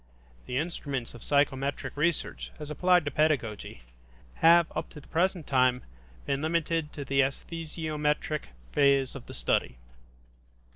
The instruments of psychometric research, as applied to pedagogy, have up to the present time been limited to the esthesiometric phase of the study.